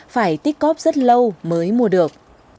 phải tích cóp rất lâu mới mua được